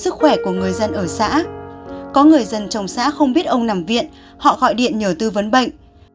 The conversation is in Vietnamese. có người dân trong xã không biết ông nằm viện họ gọi điện nhờ tư vấn bệnh